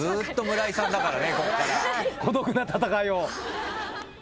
・孤独な戦いを。